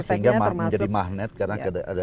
sehingga menjadi magnet karena ada